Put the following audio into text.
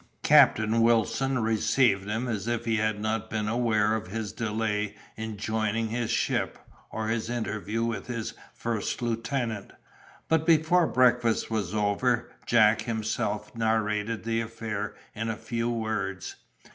Captain Wilson received him as if he had not been aware of his delay in joining his ship, or his interview with his first lieutenant, but before breakfast was over, Jack himself narrated the affair in a few words.